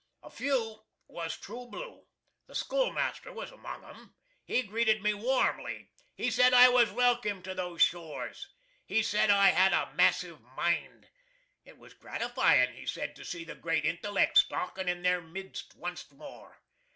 .... A few was true blue. The schoolmaster was among 'em. He greeted me warmly. He said I was welkim to those shores. He said I had a massiv mind. It was gratifyin', he said, to see the great intelleck stalkin' in their midst onct more.